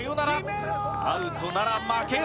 アウトなら負け。